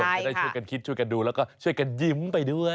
ก็ได้ช่วยกันคิดช่วยกันดูแล้วก็ช่วยกันยิ้มไปด้วย